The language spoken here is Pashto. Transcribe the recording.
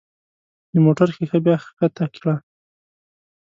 د موټر ښيښه بیا ښکته کړه.